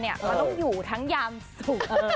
มันต้องอยู่ทั้งยามสุข